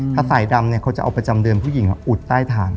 ถ้าสายดำเขาจะเอาประจำเดือนผู้หญิงอุดใต้ฐาน